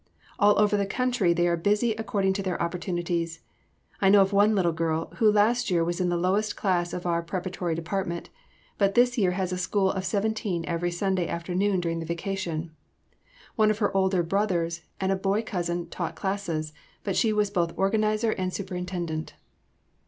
All over the country they are busy according to their opportunities. I know of one little girl who last year was in the lowest class of our Preparatory Department, but this year has a school of seventeen every Sunday afternoon during the vacation. One of her older brothers and a boy cousin taught classes, but she was both organizer and superintendent.